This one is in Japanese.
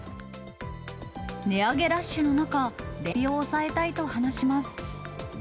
値上げラッシュの中、連休中も出費を抑えたいと話します。